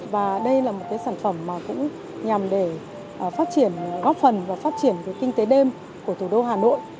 và đây là một sản phẩm nhằm để phát triển góp phần và phát triển kinh tế đêm của thủ đô hà nội